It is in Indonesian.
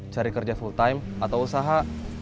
cari kerja full time atau usaha